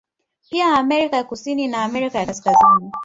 Pia Amerika ya kusini na Amerika ya Kaskazini